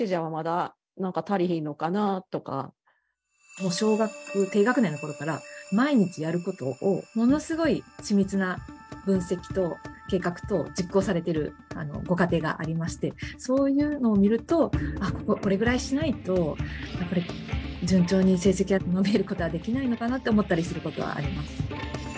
もう小学低学年のころから毎日やることをものすごい緻密な分析と計画とを実行されてるご家庭がありましてそういうのを見るとこれぐらいしないとやっぱり順調に成績は伸びることはできないのかなって思ったりすることはあります。